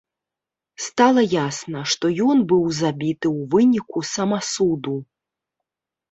Стала ясна, што ён быў забіты ў выніку самасуду.